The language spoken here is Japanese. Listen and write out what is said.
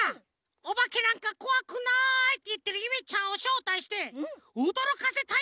「おばけなんかこわくない！」っていってるゆめちゃんをしょうたいしておどろかせたいんだよね！